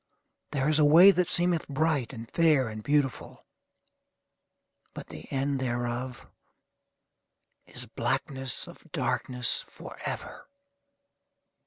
There is a way that seemeth bright, and fair, and beautiful; but the end thereof is BLACKNESS OF DARKNESS FOREVER.